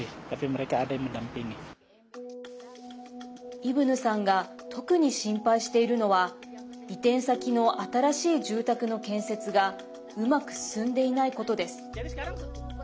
イブヌさんが特に心配しているのは移転先の新しい住宅の建設がうまく進んでいないことです。